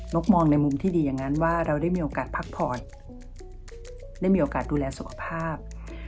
กมองในมุมที่ดีอย่างนั้นว่าเราได้มีโอกาสพักผ่อนได้มีโอกาสดูแลสุขภาพ